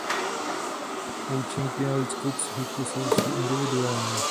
Účinky na lidskou psychiku se liší individuálně.